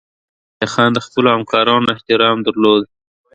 وزیرفتح خان د خپلو همکارانو احترام درلود.